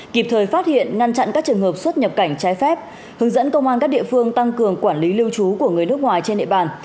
kịp thời phát hiện ngăn chặn các trường hợp xuất nhập cảnh trái phép hướng dẫn công an các địa phương tăng cường quản lý lưu trú của người nước ngoài trên địa bàn